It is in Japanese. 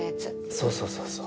そうそうそうそう。